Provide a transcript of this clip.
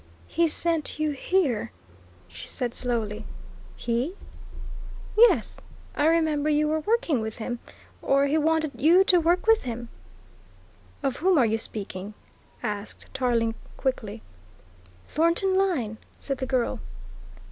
"He sent you here," she said slowly. "He?" "Yes I remember. You were working with him, or he wanted you to work with him." "Of whom are you speaking?" asked Tarling quickly. "Thornton Lyne," said the girl.